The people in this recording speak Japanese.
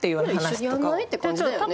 一緒にやらない？って感じだよね。